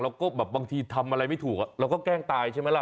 เราก็แบบบางทีทำอะไรไม่ถูกเราก็แกล้งตายใช่ไหมล่ะ